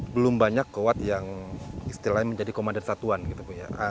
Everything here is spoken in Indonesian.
belum banyak kawat yang istilahnya menjadi komandan satuan gitu bu ya